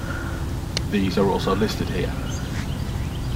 These are also listed here.